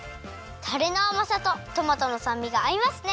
タレのあまさとトマトのさんみがあいますね。